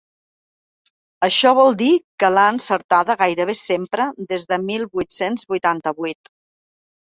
Això vol dir que l’ha encertada gairebé sempre des del mil vuit-cents vuitanta-vuit!